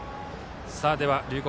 龍谷